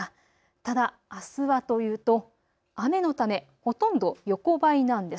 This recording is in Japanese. ただ、あすはというと雨のためほとんど横ばいなんです。